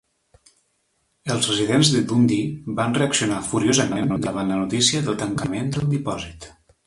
Els residents de Dundee van reaccionar furiosament davant la notícia del tancament del dipòsit.